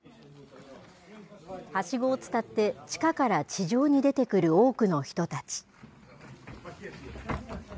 はしごを伝って地下から地上に出てくる多くの人たち。